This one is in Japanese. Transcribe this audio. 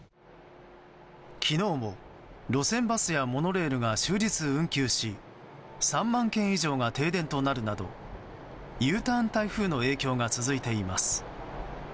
昨日も路線バスやモノレールが終日運休し３万軒以上が停電となるなどＵターン台風の影響が続いています。